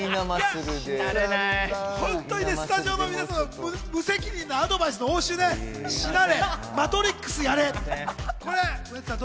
本当にスタジオの皆さんの無責任なアドバイスの応酬でしなれ！